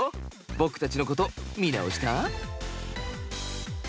僕たちのこと見直した？